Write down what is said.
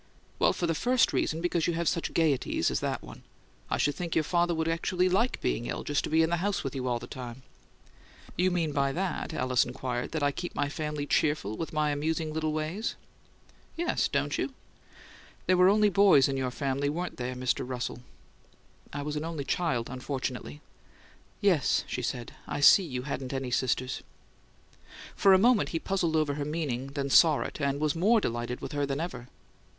"Well, for the first reason, because you have such gaieties as that one. I should think your father would actually like being ill, just to be in the house with you all the time." "You mean by that," Alice inquired, "I keep my family cheerful with my amusing little ways?" "Yes. Don't you?" "There were only boys in your family, weren't there, Mr. Russell?" "I was an only child, unfortunately." "Yes," she said. "I see you hadn't any sisters." For a moment he puzzled over her meaning, then saw it, and was more delighted with her than ever.